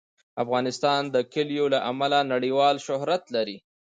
افغانستان د کلیو له امله نړیوال شهرت لري.